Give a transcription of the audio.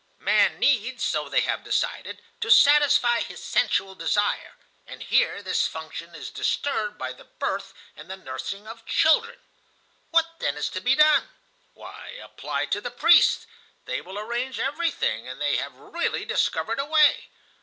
Man needs, so they have decided, to satisfy his sensual desire, and here this function is disturbed by the birth and the nursing of children. "What, then, is to be done? Why, apply to the priests; they will arrange everything, and they have really discovered a way.